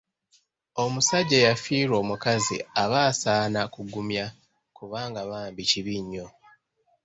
Omusajja eyafiirwa omukazi aba asaana kugumya kubanga bambi kibi nnyo.